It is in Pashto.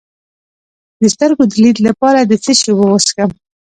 د سترګو د لید لپاره د څه شي اوبه وڅښم؟